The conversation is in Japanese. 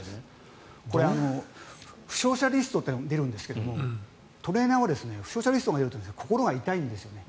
これ、負傷者リストというのが出るんですがトレーナーは負傷者リストがいると心が痛いんですね。